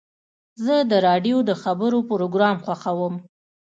زه د راډیو د خبرو پروګرام خوښوم.